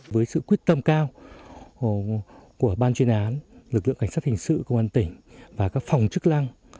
với sự quyết tâm cao của ban chuyên án lực lượng cảnh sát hình sự công an tỉnh và các phòng chức năng